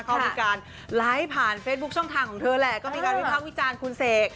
ก็มีการไลฟ์ผ่านเฟซบุ๊คช่องทางของเธอแหละก็มีการวิภาควิจารณ์คุณเสก